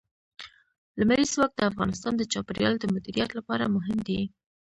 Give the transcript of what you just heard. لمریز ځواک د افغانستان د چاپیریال د مدیریت لپاره مهم دي.